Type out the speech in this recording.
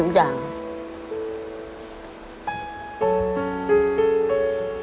อาหารด้วย